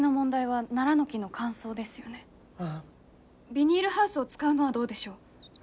ビニールハウスを使うのはどうでしょう？